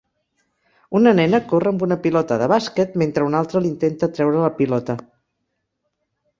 Una nena corre amb una pilota de bàsquet, mentre una altra l'intenta treure la pilota.